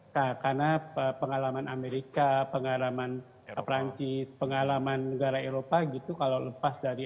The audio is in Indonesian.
karena pengalaman amerika pengalaman perancis pengalaman negara eropa gitu kalau lepas dari